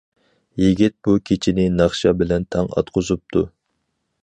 يىگىت بۇ كېچىنى ناخشا بىلەن تاڭ ئاتقۇزۇپتۇ.